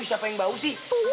siapa yang bau sih